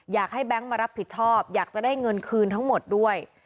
แบงค์มารับผิดชอบอยากจะได้เงินคืนทั้งหมดด้วย